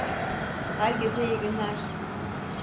Herkese iyi günler.